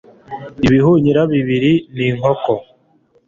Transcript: ibihunyira bibiri n'inkoko